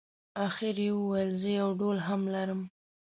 اخر یې وویل زه یو ډول هم لرم.